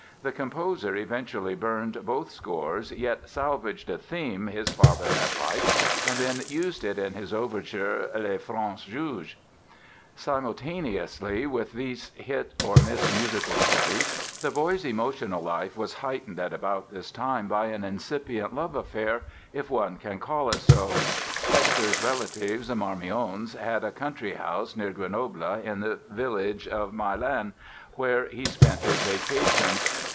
The composer eventually burned both scores yet salvaged a theme his father had liked and then used it in his overture, "Les Francs Juges." Simultaneously with these hit or miss musical studies the boy's emotional life was heightened at about this time by an incipient love affair, if one can call it so. Hector's relatives, the Marmions, had a country house near Grenoble in the village of Meylan, where he spent his vacations.